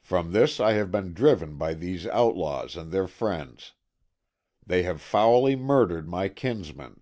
From this I have been driven by these outlaws and their friends. They have foully murdered my kinsmen.